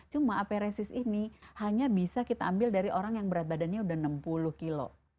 cuma aperesis ini hanya bisa kita ambil dari orang yang berat badannya udah enam puluh kilo